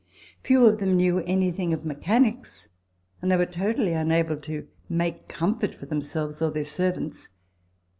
Few of them knew anything of mechanics, and they were totally unable to make comfort for themselves or their servants.